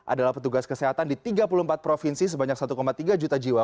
adalah petugas kesehatan di tiga puluh empat provinsi sebanyak satu tiga juta jiwa